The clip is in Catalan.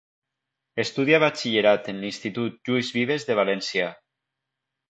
Estudia Batxillerat en l'Institut Lluís Vives de València.